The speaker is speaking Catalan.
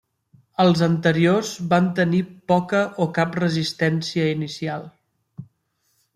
Els anteriors van tenir poca o cap resistència inicial.